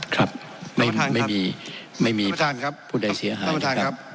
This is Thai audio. ครับไม่มีไม่มีผู้ใดเสียหายนะครับ